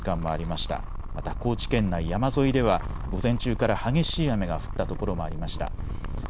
また高知県内、山沿いでは午前中から激しい雨が降った所もありました。